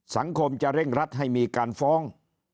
สังคมจะเร่งรัดให้มีการฟ้อง